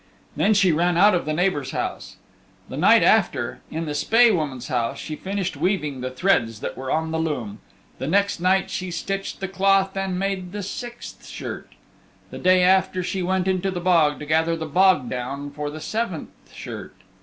Then she ran out of the neighbor's house. The night after, in the Spae Woman's house she finished weaving the threads that were on the loom. The next night she stitched the cloth and made the sixth shirt. The day after she went into the bog to gather the bog down for the seventh shirt.